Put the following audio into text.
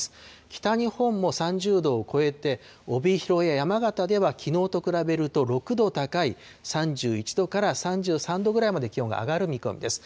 北日本も３０度を超えて、帯広や山形では、きのうと比べると６度高い３１度から３３度ぐらいまで気温が上がる見込みです。